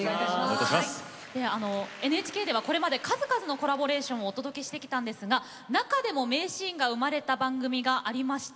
ＮＨＫでは、これまで数々の歌のコラボレーションをお届けしてまいりましたが中でも名シーンが生まれた番組がありました。